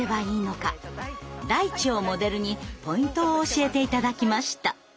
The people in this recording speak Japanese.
ダイチをモデルにポイントを教えて頂きました。